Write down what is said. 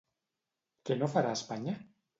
Què no farà Espanya?